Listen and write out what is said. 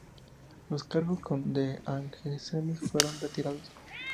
Los cargos con The Alchemist fueron retirados.